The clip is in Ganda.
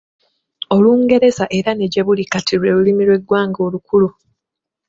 Olungereza era ne gyebuli kati lwe lulimi lw’eggwanga olukulu.